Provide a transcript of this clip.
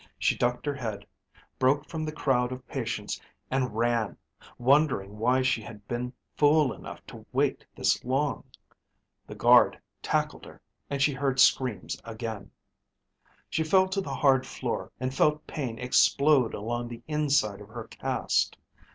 She ducked her head, broke from the crowd of patients and ran, wondering why she had been fool enough to wait this long. The guard tackled her and she heard screams again. She fell to the hard floor and felt pain explode along the inside of her cast.